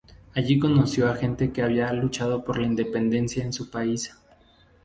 Allí conoció a gente que había luchado por la independencia en su país.